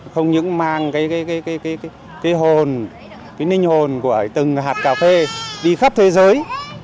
không những mang cái hồn cái ninh hồn của từng hạt cà phê đi khắp thế giới